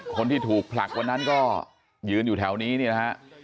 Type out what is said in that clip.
คนที่ถูกผลักวันนั้นก็ยืนอยู่แถวนี้เนี่ยนะฮะ